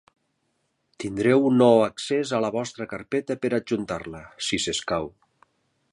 Tindreu un nou accés a la vostra carpeta per adjuntar-la, si s'escau.